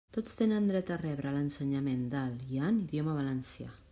Tots tenen dret a rebre l'ensenyament del, i en, idioma valencià.